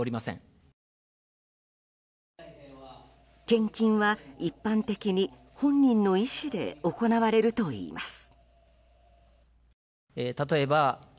献金は一般的に本人の意思で行われるといいます。